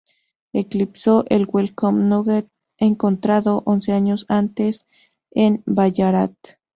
Eclipsó al "Welcome Nugget" encontrado once años antes en Ballarat.